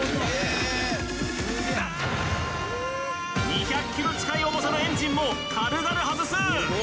２００ｋｇ近い重さのエンジンも軽々外す！